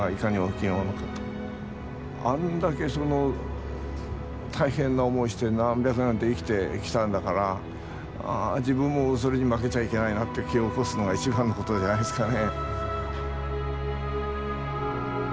あんだけその大変な思いして何百年と生きてきたんだから自分もそれに負けちゃいけないなって気を起こすのが一番のことじゃないですかね。